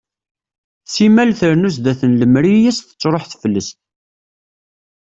Simmal trennu sdat n lemri i as-tettruḥ teflest.